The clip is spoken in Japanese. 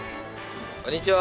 こんにちは。